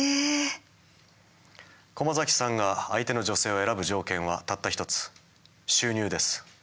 駒崎さんが相手の女性を選ぶ条件はたった一つ収入です。